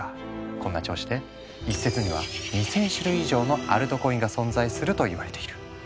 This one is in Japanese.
こんな調子で一説には２，０００種類以上のアルトコインが存在するといわれている。